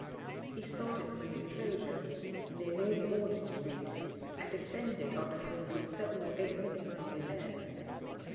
He started from an enclosure near North Audley Street, and descended after having been seven or eight minutes in the air.